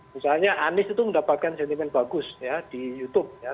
misalnya anies itu mendapatkan sentimen bagus ya di youtube ya